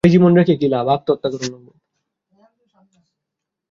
গুজবে কান দিতে নেই।